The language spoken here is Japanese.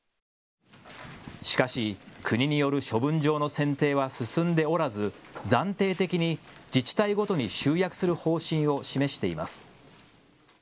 しかし国による処分場の選定は進んでおらず暫定的に自治体ごとに集約する方針を示しています。